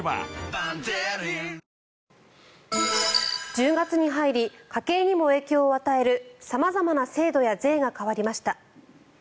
１０月に入り家計にも影響を与える様々な制度や税が変わりました。